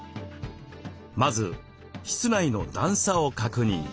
まず室内の段差を確認。